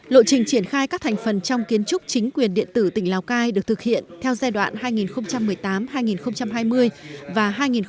lộ trình triển khai các thành phần trong kiến trúc chính quyền điện tử tỉnh lào cai được thực hiện theo giai đoạn hai nghìn một mươi tám hai nghìn hai mươi và hai nghìn hai mươi hai nghìn hai mươi năm